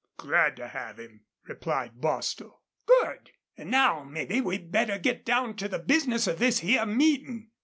"Glad to have him," replied Bostil. "Good. An' now mebbe we'd better get down to the bizness of this here meetin'."